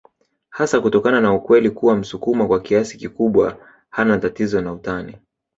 Hasa kutokana na ukweli kuwa msukuma kwa kiasi kikubwa hana tatizo na utani